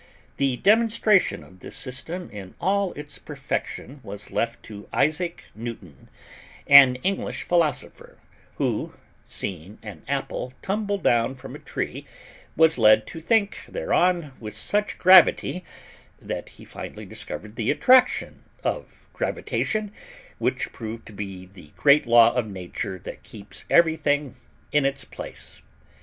The demonstration of this system in all its perfection was left to Isaac Newton, an English Philosopher, who, seeing an apple tumble down from a tree, was led to think thereon with such gravity, that he finally discovered the attraction of gravitation, which proved to be the great law of Nature that keeps everything in its place.